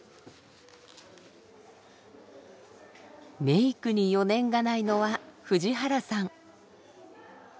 メークに余念がないのは藤原さん。